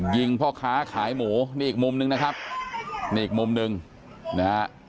ยิงพ่อค้าขายหมูมีอีกมุมนึงนะครับนี่มุมนึงนะ